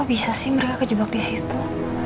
bisa sih mereka kejebak disitu